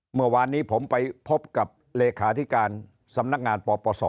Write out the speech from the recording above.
เมื่อวานนี้ผมไปพบกับเลขาธิการสำนักงานปปศ